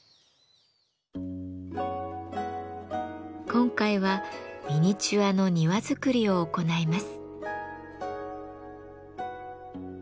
今回はミニチュアの庭作りを行います。